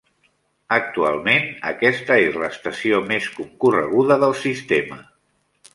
Actualment, aquesta és l'estació més concorreguda del sistema.